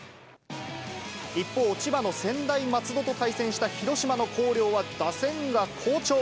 一方、千葉の専大松戸と対戦した広島の広陵は、打線が好調。